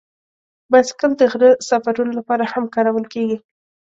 بایسکل د غره سفرونو لپاره هم کارول کېږي.